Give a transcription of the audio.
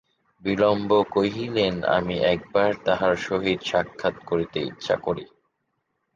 বিল্বন কহিলেন, আমি একবার তাঁহার সহিত সাক্ষাৎ করিতে ইচ্ছা করি।